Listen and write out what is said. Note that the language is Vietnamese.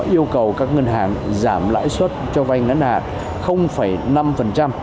yêu cầu các ngân hàng giảm lãi suất cho vai ngành ngắn hạn năm